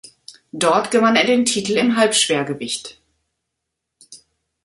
Dort gewann er den Titel im Halbschwergewicht.